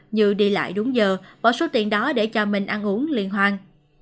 như đi lại đúng giờ bỏ số tiền đó để cho mình ăn uống liên hoan